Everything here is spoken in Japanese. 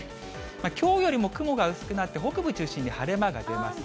きょうよりも雲が薄くなって北部を中心に晴れ間が出ます。